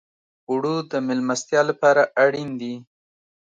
اوړه د میلمستیا لپاره اړین دي